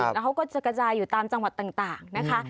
แล้วเขาก็จะกระจายอยู่ตามจังหวัดต่างนะคะ